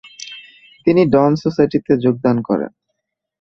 তিনি 'Dawn Society' তে যোগদান করেন।